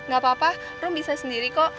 gak apa apa rum bisa sendiri kok